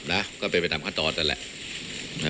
และก็เป็นประตังค์ข้างต่อตัวแหละ